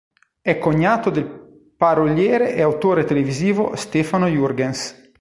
È cognato del paroliere e autore televisivo Stefano Jurgens.